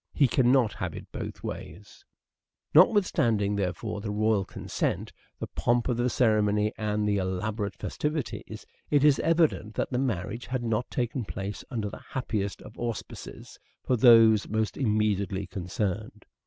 He cannot have it both ways. Domestic Notwithstanding, therefore, the royal consent, the pomp of the ceremony, and the elaborate festivities, it is evident that the marriage had not taken place under the happiest of auspices for those most immediately concerned.